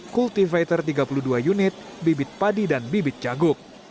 kultivator tiga puluh dua unit bibit padi dan bibit jagung